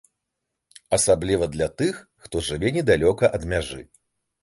Асабліва для тых, хто жыве недалёка ад мяжы.